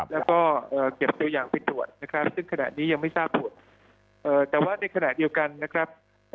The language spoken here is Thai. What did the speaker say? แล้วก็เก็บตัวอย่างไปตรวจนะครับซึ่งขณะนี้ยังไม่ทราบผลแต่ว่าในขณะเดียวกันนะครับ